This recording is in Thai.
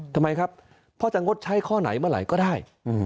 ทำไมครับพ่อจะงดใช้ข้อไหนเมื่อไหร่ก็ได้